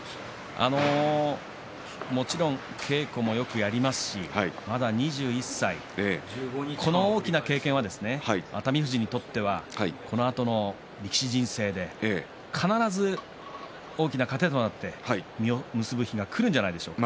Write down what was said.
もちろん、稽古もよくやりますし、まだ２１歳この大きな経験は熱海富士にとってはこのあとの力士人生で必ず大きな糧となって実を結ぶ日がくるんじゃないでしょうか。